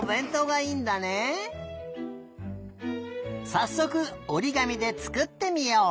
さっそくおりがみでつくってみよう！